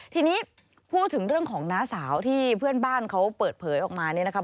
ทีนี้พูดถึงเรื่องของน้าสาวที่เพื่อนบ้านเขาเปิดเผยออกมาเนี่ยนะครับ